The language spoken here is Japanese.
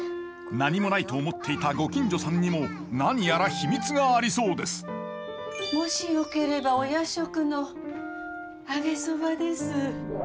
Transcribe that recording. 何もないと思っていたご近所さんにも何やら秘密がありそうですもしよければお夜食の揚げそばです。